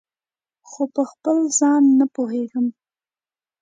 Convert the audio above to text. خو پخپل ځان نه پوهیږم